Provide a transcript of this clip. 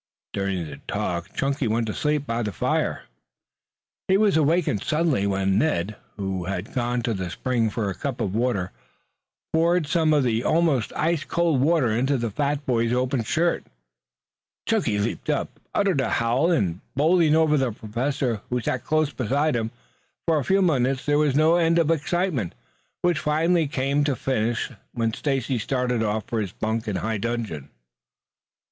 During the talk Chunky went to sleep by the fire. He was awakened suddenly when Ned, who had gone to the spring for a cup of water, poured some of the almost ice cold water into the fat boy's open shirt front at the neck. Chunky leaped up, uttering a howl, and bowling over the Professor who sat close beside him. For a few moments there was no end of excitement, which finally came to a finish when Stacy started off for his bunk in high dudgeon.